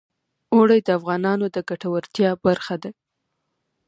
اوړي د افغانانو د ګټورتیا برخه ده.